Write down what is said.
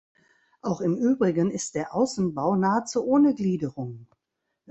Auch im Übrigen ist der Außenbau nahezu ohne Gliederung.